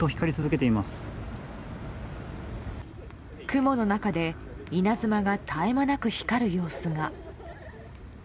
雲の中で稲妻が絶え間なく光る様子が。